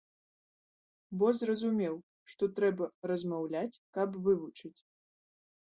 Бо разумеў, што трэба размаўляць, каб вывучыць.